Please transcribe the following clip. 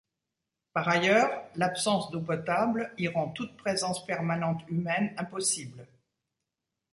Par ailleurs, l’absence d’eau potable y rend toute présence permanente humaine impossible.